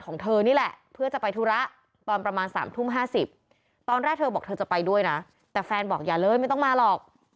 ของเธอนี่แหละเพื่อจะไปธุระตอนประมาณ๓ทุ่ม๕๐ตอนแรกเธอบอกเธอจะไปด้วยนะแต่แฟนบอกอย่าเลยไม่ต้องมาหรอก